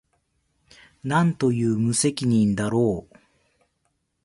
何という無責任だろう